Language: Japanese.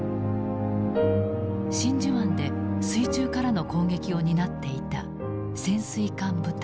真珠湾で水中からの攻撃を担っていた潜水艦部隊。